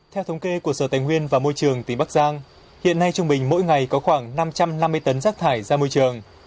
theo thống kê của sở tài nguyên và môi trường tỉnh bắc giang hiện nay trung bình mỗi ngày có khoảng năm trăm năm mươi tấn rác thải ra môi trường